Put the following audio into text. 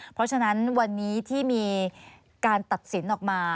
เพราะฉะนั้นวันนี้ที่มีการตัดสินออกมา